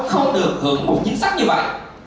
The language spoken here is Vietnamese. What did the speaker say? không được hưởng một chính sách như vậy